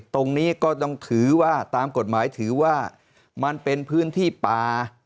ตรงนี้ก็ต้องถือว่าตามกฎหมายถือว่ามันเป็นพื้นที่ป่า